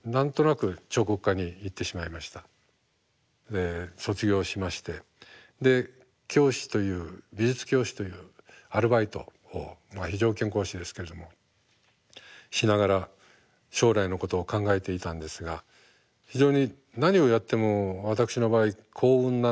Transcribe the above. で卒業しましてで教師という美術教師というアルバイトをまあ非常勤講師ですけれどもしながら将来のことを考えていたんですが非常に何をやっても私の場合幸運なのか仕事が楽しいんですね。